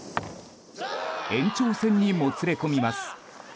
延長戦にもつれ込みます。